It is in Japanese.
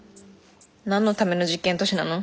何のための実験都市なの。